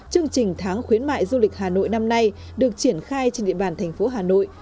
chương trình tháng khuyến mại du lịch hà nội năm nay được triển khai trên địa bàn thành phố hà nội